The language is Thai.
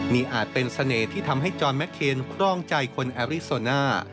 นี่อาจเป็นเสน่ห์ที่ทำให้จอนแมคเคนครองใจคนแอริโซน่า